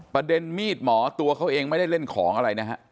ประเด็นมีดหมอตัวเขาเองไม่ได้เล่นของอะไรนะฮะ